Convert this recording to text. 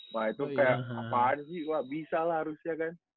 wah itu kaya apaan sih wah bisa lah harusnya kan